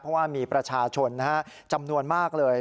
เพราะว่ามีประชาชนจำนวนมากเลย